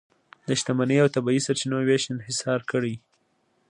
د شتمنۍ او طبیعي سرچینو وېش انحصار کړي.